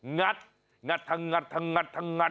งัดงัดงัดงัดงัดงัด